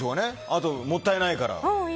あともったいないから。